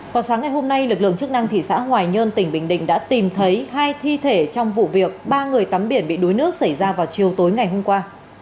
vào sáng ngày hôm nay lực lượng chức năng thị xã hoài nhơn tỉnh bình định đã tìm thấy hai thi thể trong vụ việc ba người tắm biển bị đuối nước xảy ra vào chiều tối ngày hôm qua